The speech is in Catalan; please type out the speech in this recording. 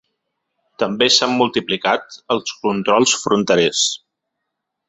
També s’han multiplicat els controls fronterers.